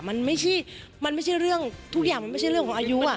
มันไม่ใช่มันไม่ใช่เรื่องทุกอย่างมันไม่ใช่เรื่องของอายุ